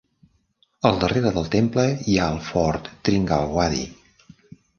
Al darrere del temple hi ha el Fort Tringalwadi.